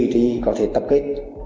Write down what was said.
thì có thể tập kết